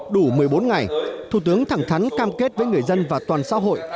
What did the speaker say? đủ một mươi bốn ngày thủ tướng thẳng thắn cam kết với người dân và toàn xã hội